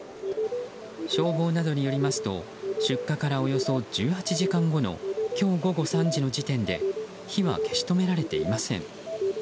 消防などによりますと出火からおよそ１８時間後の今日午後３時の時点で火は消し止められていません。